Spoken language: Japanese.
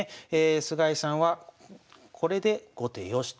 菅井さんはこれで後手良しと。